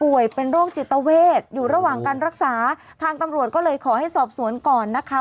เป็นโรคจิตเวทอยู่ระหว่างการรักษาทางตำรวจก็เลยขอให้สอบสวนก่อนนะคะ